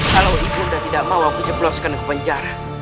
kalau ibu sudah tidak mau aku jebloskan ke penjara